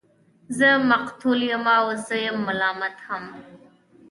زه مقتول يمه او زه يم ملامت هم